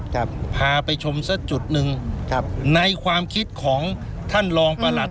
ครับพาไปชมสักจุดหนึ่งครับในความคิดของท่านรองประหลัด